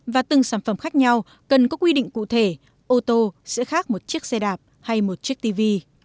và từng sản phẩm khác nhau cần có quy định cụ thể ô tô sẽ khác một chiếc xe đạp hay một chiếc tv